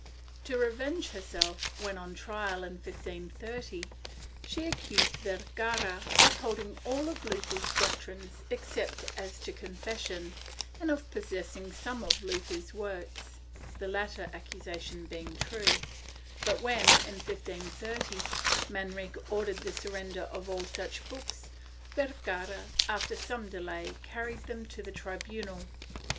To revenge herself, when on trial in 1530, she accused Vergara of holding all of Luther's doc trines, except as to confession, and of possessing some of Luther's works — the latter accusation being true, but when, in 1530, Man rique ordered the surrender of all such books, Vergara, after some delay, carried them to the tribunal.